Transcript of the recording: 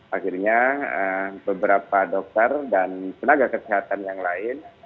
akhirnya beberapa dokter dan tenaga kesehatan yang lain